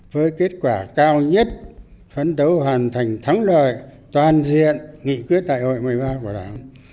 với kết quả cao nhất phấn đấu hoàn thành thắng lợi toàn diện nghị quyết đại hội một mươi ba của đảng